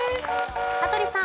羽鳥さん。